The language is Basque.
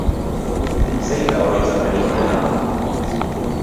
Zein da oroitzapenik onena?